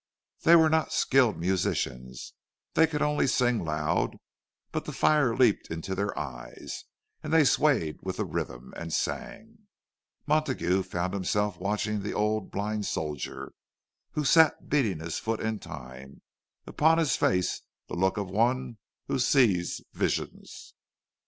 They were not skilled musicians—they could only sing loud; but the fire leaped into their eyes, and they swayed with the rhythm, and sang! Montague found himself watching the old blind soldier, who sat beating his foot in time, upon his face the look of one who sees visions.